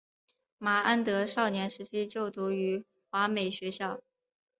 麻安德少年时期就读于华美学校。